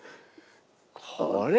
これ。